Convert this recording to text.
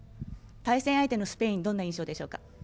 対戦相手のスペインどんな印象でしょうか。